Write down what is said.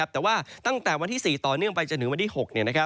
แต่ว่าตั้งแต่วันที่๔ต่อเนื่องไปจนถึงวันที่๖